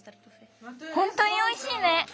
ほんとにおいしいね。